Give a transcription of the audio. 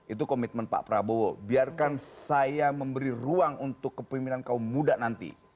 itu komitmen pak prabowo biarkan saya memberi ruang untuk kepemimpinan kaum muda nanti